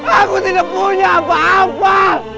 aku tidak punya apa apa